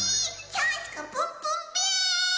キャースカプンプンべー！